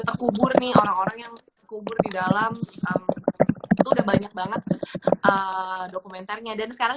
terkubur nih orang orang yang kubur di dalam itu udah banyak banget dokumenternya dan sekarang